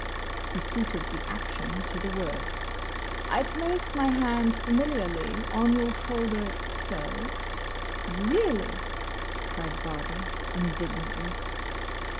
He suited the action to the word. "I place my hand familiarly on your shoulder—so—" "Really!" cried Barbara, indignantly.